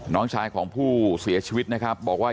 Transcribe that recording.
น้องชายของผู้เสียชีวิตนะครับบอกว่า